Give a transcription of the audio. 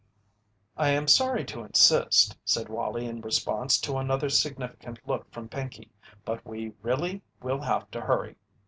"I am sorry to insist," said Wallie in response to another significant look from Pinkey, "but we really will have to hurry."